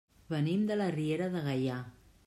Venim de la Riera de Gaià.